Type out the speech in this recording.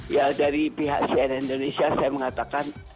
ya dari pihak cnn indonesia saya mengatakan